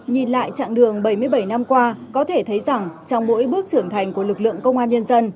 nhìn lại chặng đường bảy mươi bảy năm qua có thể thấy rằng trong mỗi bước trưởng thành của lực lượng công an nhân dân